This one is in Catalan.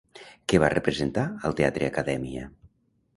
Què va representar al Teatre Akadèmia?